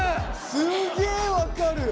すげえ分かる。